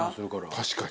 確かに。